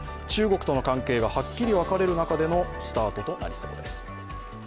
中国との関係がはっきり分かれる中でのスタートとなりそうです。